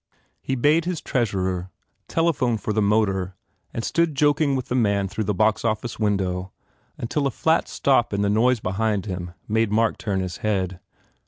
He bade his treasurer telephone for the motor and stood joking with the man through the box office window until a flat stop in the noise behind him made Mark turn his head.